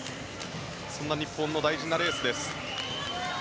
そんな日本の大事なレースです。